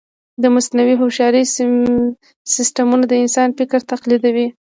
د مصنوعي هوښیارۍ سیسټمونه د انسان فکر تقلیدوي.